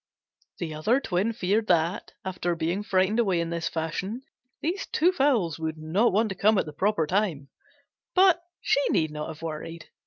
The other twin feared that, after being frightened away in this fashion, these two fowls would not want to come at the proper time, but she need not have worried.